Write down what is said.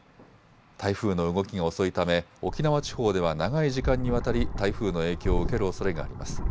台風の動きが遅いため沖縄地方では長い時間にわたり台風の影響を受けるおそれがあります。